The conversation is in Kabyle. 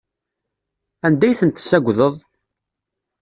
Anda ay tent-tessagdeḍ?